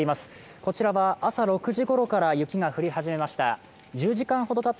こちらは朝６時ごろから雪が降り始めました。